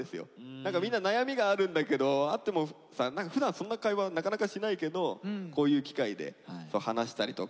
何かみんな悩みがあるんだけどあってもさふだんそんな会話なかなかしないけどこういう機会で話したりとか。